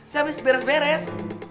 saya habis beres beres